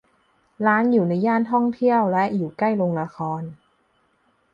ร้านอยู่ในย่านท่องเที่ยวและอยู่ใกล้โรงละคร